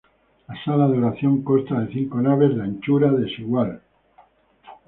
La sala de oración consta de cinco naves de anchura desigual.